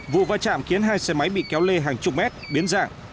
vụ va chạm khiến hai xe máy bị kéo lê hàng chục mét biến dạng